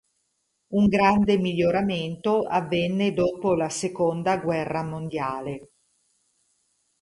Un grande miglioramento avvenne dopo la seconda guerra mondiale.